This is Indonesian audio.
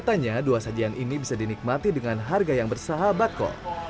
katanya dua sajian ini bisa dinikmati dengan harga yang bersahabat kok